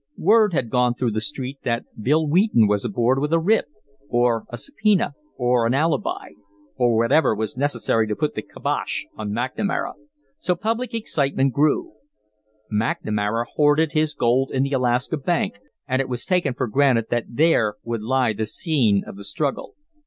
Word had gone through the street that Bill Wheaton was aboard with a writ, or a subpoena, or an alibi, or whatever was necessary to put the "kibosh" on McNamara, so public excitement grew. McNamara hoarded his gold in the Alaska Bank, and it was taken for granted that there would lie the scene of the struggle.